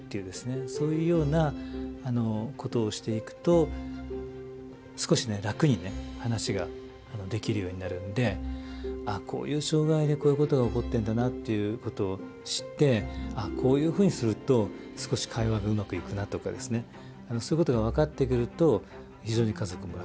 そういうようなことをしていくと少しね楽にね話ができるようになるんであこういう障害でこういうことが起こってんだなっていうことを知ってこういうふうにすると少し会話がうまくいくなとかですねそういうことが分かってくると非常に家族も楽。